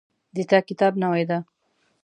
د تا کتاب نوی ده